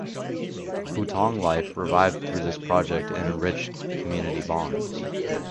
Hutong life revived through this project and enriched community bonds.